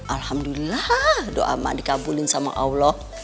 alhamdulillah doa mak dikabulin sama allah